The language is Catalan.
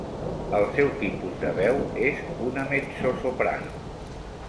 El seu tipus de veu és una mezzosoprano.